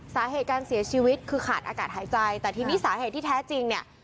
สาเหตุการเสียชีวิตคือขาดอากาศหายใจแต่ทีนี้สาเหตุที่แท้จริงเนี่ย